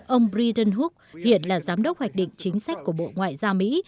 ông brian hook hiện là giám đốc hoạch định chính sách của bộ ngoại giao mỹ